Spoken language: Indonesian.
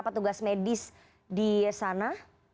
petugas medis di sana